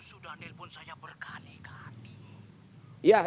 sudah nelpon saya berkali kali